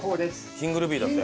キングルビーだって。